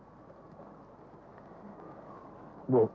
suami saya itu kepala bagian yang cermat dalam keuangan